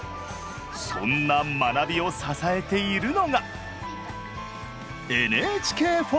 そんな学びを支えているのが！